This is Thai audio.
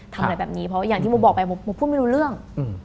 ทำอะไรแบบนี้เพราะว่าอย่างที่มูบอกไปมูพูดไม่รู้เรื่อง